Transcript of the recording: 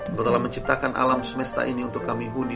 engkau telah menciptakan alam semesta ini untuk kami huni